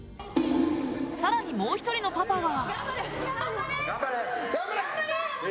更に、もう１人のパパは。